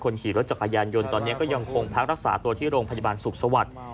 ขี่รถจักรยานยนต์ตอนนี้ก็ยังคงพักรักษาตัวที่โรงพยาบาลสุขสวัสดิ์